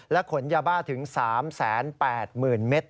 ขนยาบ้าถึง๓๘๐๐๐เมตร